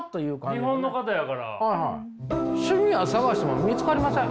日本の方やから。